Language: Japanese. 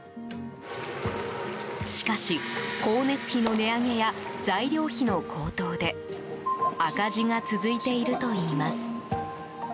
しかし、光熱費の値上げや材料費の高騰で赤字が続いているといいます。